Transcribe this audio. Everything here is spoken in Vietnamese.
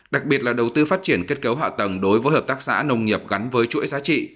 đặc biệt là đầu tư phát triển kết cấu hạ tầng đối với hợp tác xã nông nghiệp gắn với chuỗi giá trị